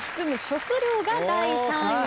食料が第３位です。